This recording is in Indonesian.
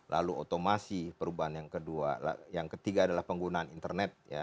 lalu otomasi perubahan yang ketiga adalah penggunaan internet